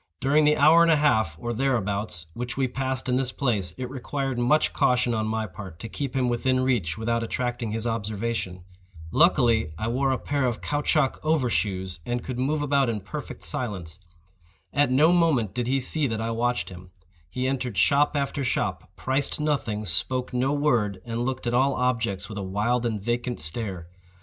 During the hour and a half, or thereabouts, which we passed in this place, it required much caution on my part to keep him within reach without attracting his observation. Luckily I wore a pair of caoutchouc over shoes, and could move about in perfect silence. At no moment did he see that I watched him. He entered shop after shop, priced nothing, spoke no word, and looked at all objects with a wild and vacant stare.